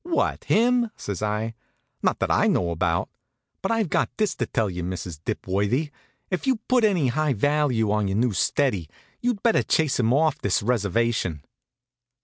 "What, him?" says I. "Not that I know about. But I've got this to tell you, Mrs. Dipworthy: if you put any high value on your new steady, you'd better chase him off this reservation."